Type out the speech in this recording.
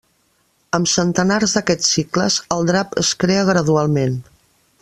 Amb centenars d'aquests cicles, el drap es crea gradualment.